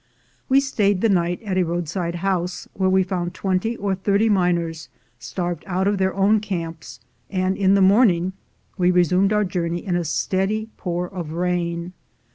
We stayed the night at a road side house, where we found twenty or thirty miners starved out of their own camps, and in the morning we resumed our journey in a steady pour of rain.